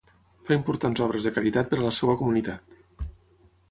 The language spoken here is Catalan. Fa importants obres de caritat per a la seva comunitat.